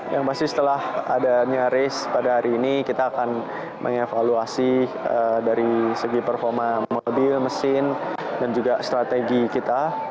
yang pasti setelah adanya race pada hari ini kita akan mengevaluasi dari segi performa mobil mesin dan juga strategi kita